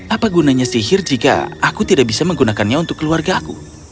apa gunanya sihir jika aku tidak bisa menggunakannya untuk keluarga aku